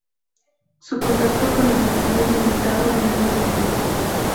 Su contacto con el nasal es limitado en ambas especies.